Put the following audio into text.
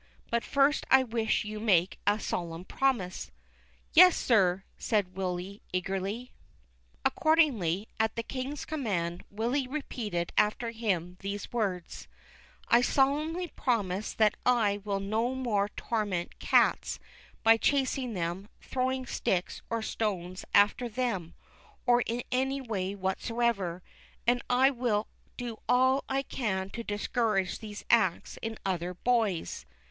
But first I wish you to make a solemn promise." "Yes, sir," said Willy, eagerly. Accordingly, at the King's command, Willy repeated after him these words :" I solemnly promise that I will no more torment cats by chasing them, throwing sticks or stones after them, or in any way whatsoever, and I will do all I can to discourage these acts in other Boys."